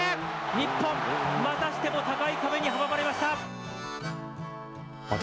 日本、またしても高い壁に阻まれました。